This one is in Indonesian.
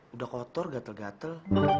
udah kotor gatel gatel